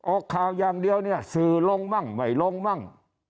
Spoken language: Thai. ออกข่าวยังเดียวสื่อลงมั่งหมายลงมั่ง